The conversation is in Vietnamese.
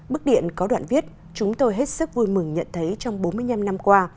bức điện có đoạn viết chúng tôi hết sức vui mừng nhận thấy trong bốn mươi năm năm qua